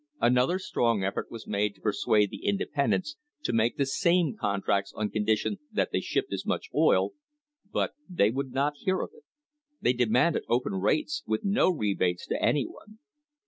Another strong effort was made to persuade the independents to make the same con tracts on condition that they shipped as much oil, but they would not hear of it. They demanded open rates, with no rebates to anyone.